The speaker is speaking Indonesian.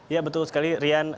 ya betul sekali rian